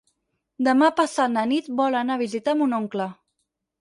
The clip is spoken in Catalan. Demà passat na Nit vol anar a visitar mon oncle.